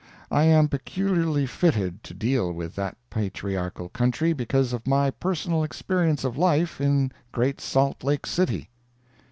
I am peculiarly fitted to deal with that patriarchal country because of my personal experience of life in Great Salt Lake City.